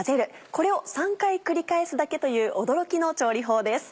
これを３回繰り返すだけという驚きの調理法です。